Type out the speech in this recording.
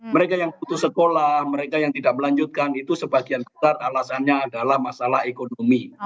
mereka yang putus sekolah mereka yang tidak melanjutkan itu sebagian besar alasannya adalah masalah ekonomi